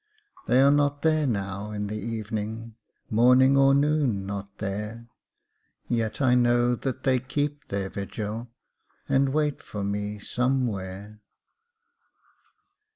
They are not there now in the evening Morning or noon not there; Yet I know that they keep their vigil, And wait for me Somewhere.